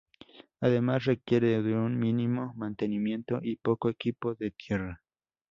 Además, requiere de un mínimo mantenimiento y poco equipo de tierra.